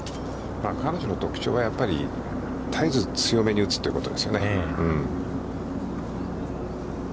彼女の特徴は、やっぱり絶えず強めに打つということですよね。